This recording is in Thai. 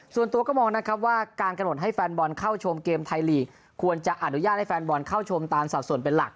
ส่วนตัวก็มองนะครับว่าการกำหนดให้แฟนบอลเข้าชมเกมไทยลีกควรจะอนุญาตให้แฟนบอลเข้าชมตามสัดส่วนเป็นหลัก